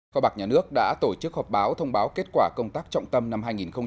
kho bạc nhà nước đã tổ chức họp báo thông báo kết quả công tác trọng tâm năm hai nghìn một mươi chín